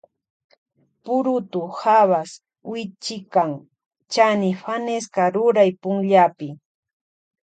Purutu habas wichikan chani fanesca ruray punllapi.